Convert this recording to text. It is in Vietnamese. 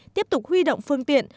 tiếp tục huy động phương tiện